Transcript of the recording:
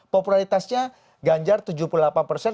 popularitasnya ganjar tujuh puluh delapan persen